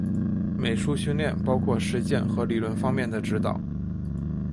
美术训练包括实践和理论方面的指导。